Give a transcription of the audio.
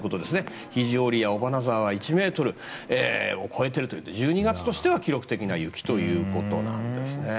肘折や尾花沢は１ｍを超えているという１２月としては記録的な雪なんですね。